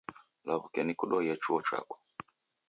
Law'uke nikudwaie chuo chako.